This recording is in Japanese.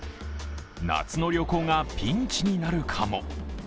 夏の旅行がピンチなるかも。